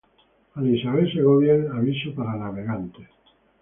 Ana Isabel Segovia en “Aviso para navegantes.